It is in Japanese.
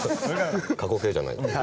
過去形じゃない。